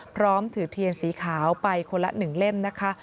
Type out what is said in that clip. พร้อมถือเทียนสีขาวไปคนละ๑เล่มนะคะ